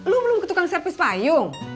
lu belum ke tukang servis payung